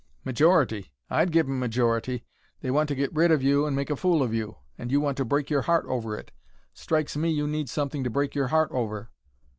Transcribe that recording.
"Majority! I'd give 'em majority. They want to get rid of you, and make a fool of you, and you want to break your heart over it. Strikes me you need something to break your heart over."